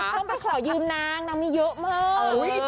ต้องไปขอยืมนางนางมีเยอะมาก